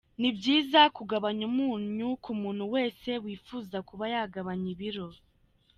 Ni byiza kugabanya umunyu ku muntu wese wifuza kuba yagabanya ibiro.